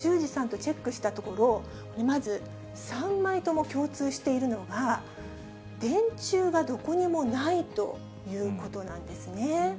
ＩＴジャーナリストの篠原修司さんとチェックしたところ、まず３枚とも共通しているのが、電柱がどこにもないということなんですね。